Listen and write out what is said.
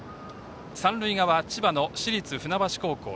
三塁側、千葉の市立船橋高校